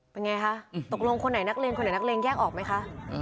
เป็นไงคะตกลงคนไหนนักเรียนคนไหนนักเลงแยกออกไหมคะ